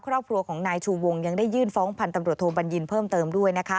ครอบครัวของนายชูวงยังได้ยื่นฟ้องพันธ์ตำรวจโทบัญญินเพิ่มเติมด้วยนะคะ